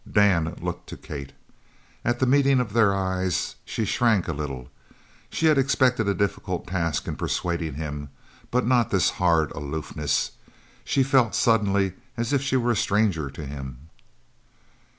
Dan looked to Kate. At the meeting of their eyes she shrank a little. She had expected a difficult task in persuading him, but not this hard aloofness. She felt suddenly as if she were a stranger to him.